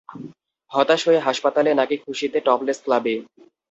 হতাশ হয়ে হাসপাতালে, নাকি খুশিতে টপলেস ক্লাবে?